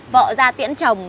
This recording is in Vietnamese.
vợ ra tiễn chồng